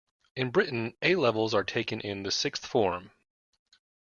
In Britain, A-levels are taken in the sixth form